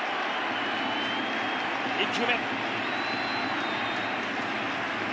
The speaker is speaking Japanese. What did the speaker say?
１球目。